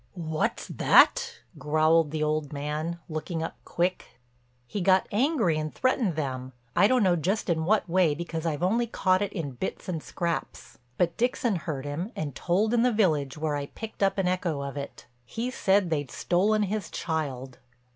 "What's that?" growled the old man, looking up quick. "He got angry and threatened them. I don't know just in what way because I've only caught it in bits and scraps. But Dixon heard him and told in the village where I picked up an echo of it. He said they'd stolen his child."